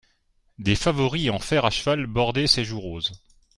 Des favoris en fer a cheval bordaient ses joues roses.